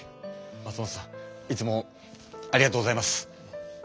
松本さんいつもありがとうございます。